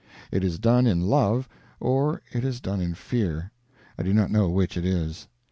It is done in love, or it is done in fear; I do not know which it is.